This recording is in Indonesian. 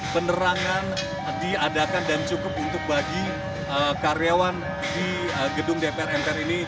penerangan diadakan dan cukup untuk bagi karyawan di gedung dpr mpr ini